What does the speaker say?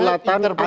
ada di tangan rakyat